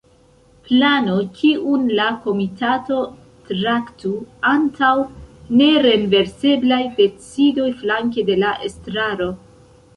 Plano kiun la komitato traktu antaŭ nerenverseblaj decidoj flanke de la estraro.